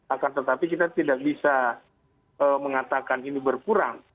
akan tetapi kita tidak bisa mengatakan ini berkurang